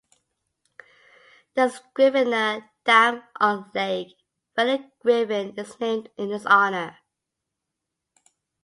The Scrivener Dam on Lake Burley Griffin is named in his honour.